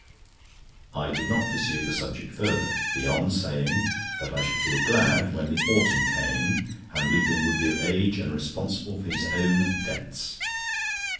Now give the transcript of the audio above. I did not pursue the subject further, beyond saying that I should feel glad when the autumn came, and Lupin would be of age and responsible for his own debts.